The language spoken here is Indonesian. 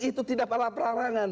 itu tidak ala perarangan